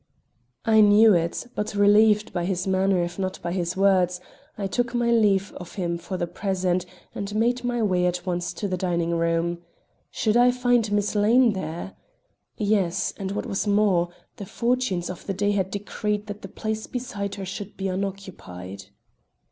I knew it, but, relieved by his manner if not by his words, I took my leave of him for the present and made my way at once to the dining room. Should I find Miss Lane there? Yes, and what was more, the fortunes of the day had decreed that the place beside her should be unoccupied.